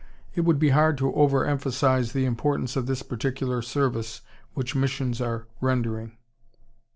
It would be hard to overemphasize the importance of this particular service which missions are rendering.